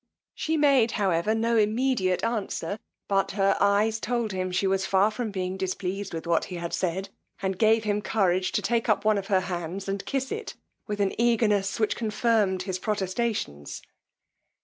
She made, however, no immediate answer; but her eyes told him she was far from being displeased with what he had said, and gave him courage to take up one of her hands and kiss it, with an eagerness which confirmed his protestations.